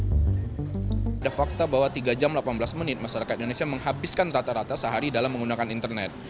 ada fakta bahwa tiga jam delapan belas menit masyarakat indonesia menghabiskan rata rata sehari dalam menggunakan internet